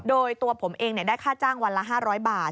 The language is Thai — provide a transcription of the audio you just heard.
โดยตัวผมเองได้ค่าจ้างวันละ๕๐๐บาท